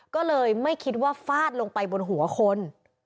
ก็เลยไม่คิดว่าฟาดลงไปบนหัวคน